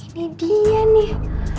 ini dia nih